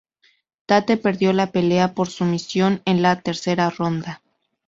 Tate perdió la pelea por sumisión en la tercera ronda.